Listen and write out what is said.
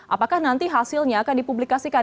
apakah nanti hasilnya akan dipublikasikan